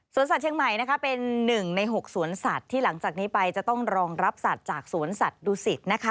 สัตว์เชียงใหม่นะคะเป็น๑ใน๖สวนสัตว์ที่หลังจากนี้ไปจะต้องรองรับสัตว์จากสวนสัตว์ดูสิตนะคะ